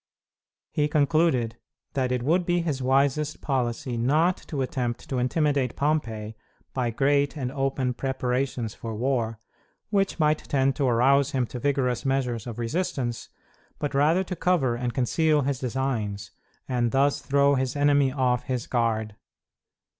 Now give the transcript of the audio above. He concluded that it would be his wisest policy not to attempt to intimidate Pompey by great and open preparations for war, which might tend to arouse him to vigorous measures of resistance, but rather to cover and conceal his designs, and thus throw his enemy off his guard.